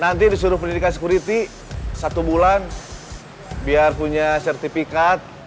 nanti disuruh pendidikan security satu bulan biar punya sertifikat